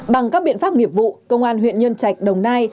bằng các biện pháp nghiệp vụ công an huyện nhân trạch đồng nai